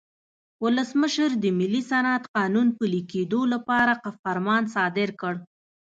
ولسمشر د ملي صنعت قانون پلي کېدو لپاره فرمان صادر کړ.